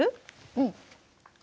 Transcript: うん。